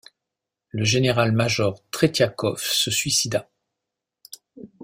Le général-major Tretiakov se suicida.